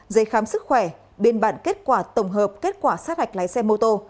giấy khám sức khỏe biên bản kết quả tổng hợp kết quả sát hạch lái xe mô tô